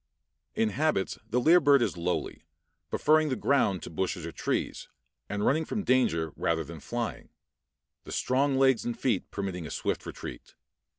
In habits the lyre bird is lowly, preferring the ground to bushes or trees, and running from danger rather than flying, the strong legs and feet permitting a swift retreat.